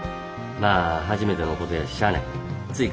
まあ初めてのことやししゃない。